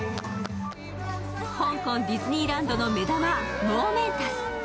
香港ディズニーランドの目玉・モーメンタス。